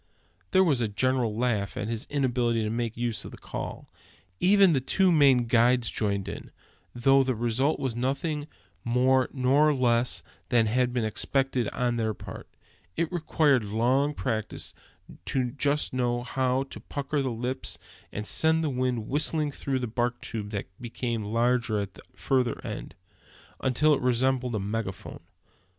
There was a general laugh at his inability to make use of the call; even the two Maine guides joining in, though the result was nothing more nor less than had been expected on their part. It requires long practice to know just how to pucker up the lips, and send the wind whistling through the bark tube that becomes larger at the further end, until it resembles a megaphone.